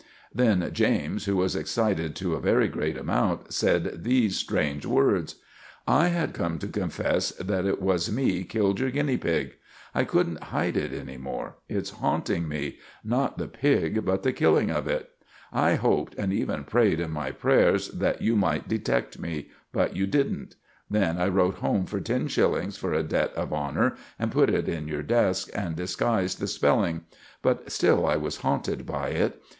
Then James, who was excited to a very great amount, said these strange words— "I had come to confess that it was me killed your guinea pig! I couldn't hide it any more. It's haunting me—not the pig, but the killing of it. I hoped, and even prayed in my prayers, that you might detect me, but you didn't. Then I wrote home for ten shillings for a debt of honour, and put it in your desk, and disguised the spelling—but still I was haunted by it.